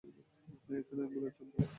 এখানে আঙ্গুলের ছাপ দাও।